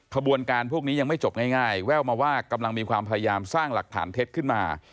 ขบวนการพวกนี้ยังไม่จบง่ายแว่วมาว่ากำลังมีความพยายามสร้างหลักฐานเท็จขึ้นมา